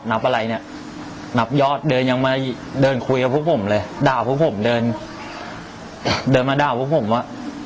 นับอะไรเนี่ยนับยอดเดินยังมาเดินคุยกับพวกผมเลยด่าพวกผมเดินเดินมาด่าพวกผมว่า